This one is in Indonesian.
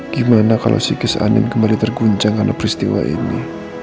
gimana kalo si kes andien kembali terguncang karena peristiwa ini